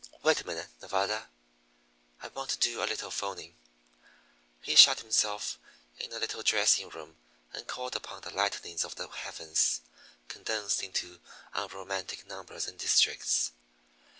"Wait a minute, Nevada; I want to do a little 'phoning." He shut himself in a little dressing room, and called upon the lightnings of the heavens condensed into unromantic numbers and districts.